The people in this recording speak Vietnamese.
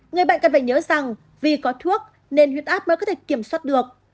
người bệnh cần phải nhớ rằng vì có thuốc nên huyết áp mới có thể kiểm soát được